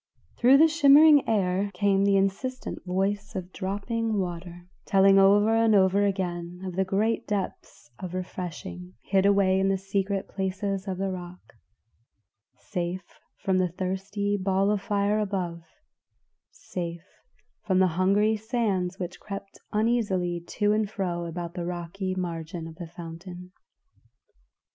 Through the shimmering air came the insistent voice of dropping water, telling over and over again of great depths of refreshing hid away in the secret places of the rock, safe from the thirsty ball of fire above, safe from the hungry sands which crept uneasily to and fro about the rocky margin of the fountain.